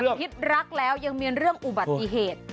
คิดรักแล้วยังมีเรื่องอุบัติเหตุ